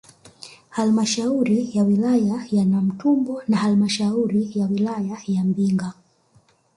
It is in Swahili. Halmashauri ya wilaya ya Namtumbo na halmashauri ya wilaya ya Mbinga